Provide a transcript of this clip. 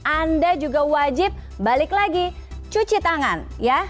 anda juga wajib balik lagi cuci tangan ya